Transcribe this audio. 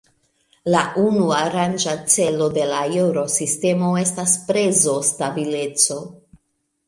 La unuaranga celo de la Eŭrosistemo estas prezostabileco.